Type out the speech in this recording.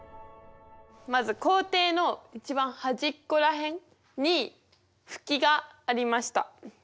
まず校庭の一番端っこら辺にフキがありました。